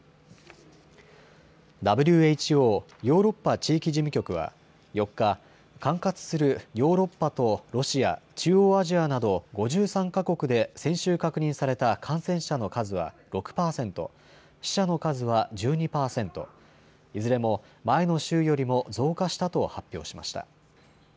ＷＨＯヨーロッパ地域事務局は４日、管轄するヨーロッパとロシア、中央アジアなど５３か国で先週確認された感染者の数は６％、死者の数は１２％、いずれも前の週よりも増加したと発表しました。